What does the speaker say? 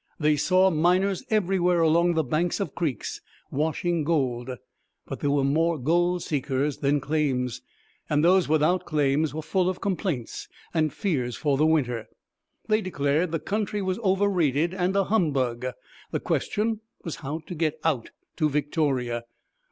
They saw miners everywhere along the banks of creeks washing gold. But there were more gold seekers than claims, and those without claims were full of complaints and fears for the winter. They declared the country was over rated and a humbug. The question was how 'to get out' to Victoria.